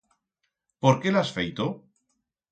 Por qué l'has feito?